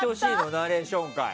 ナレーション回。